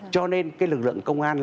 cho nên cái lực lượng công an